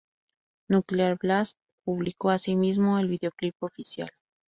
Nuclear Blast publicó asimismo el videoclip oficial.